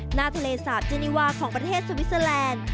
หน้าทะเลสาบเจนิวาของประเทศสวิสเตอร์แลนด์